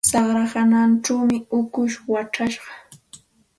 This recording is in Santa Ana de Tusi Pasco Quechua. Tsaqlla hanachaw ukushmi wachashqa.